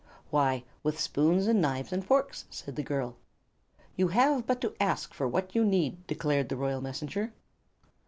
"Why, with spoons, and knives and forks," said the girl. "You have but to ask for what you need," declared the royal Messenger.